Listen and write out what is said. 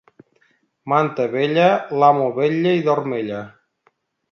Manta vella, l'amo vetlla i dorm ella.